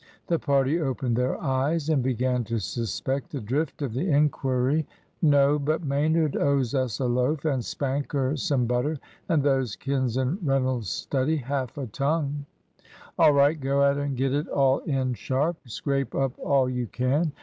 The party opened their eyes, and began to suspect the drift of the inquiry. "No; but Maynard owes us a loaf, and Spanker some butter, and those kids in Reynolds' study half a tongue." "All right; go out and get it all in, sharp. Scrape up all you can."